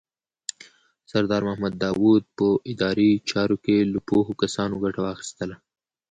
سردار محمد داود په اداري چارو کې له پوهو کسانو ګټه واخیستله.